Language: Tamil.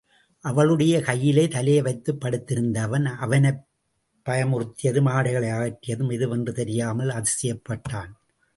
அவளுடைய கையிலே தலையை வைத்துப் படுத்திருந்த அவன், அவனைப் பயமுறுத்தியதும் ஆடைகளை அகற்றியதும் எதுவென்று தெரியாமல் அதிசயப்பட்டான்.